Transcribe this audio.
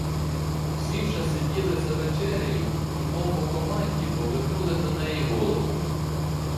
Всі вже сиділи за вечерею і, мов по команді, повернули до неї голови.